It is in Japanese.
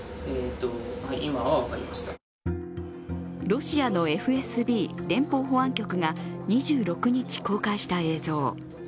ロシアのＦＳＢ＝連邦保安局が２６日公開した映像。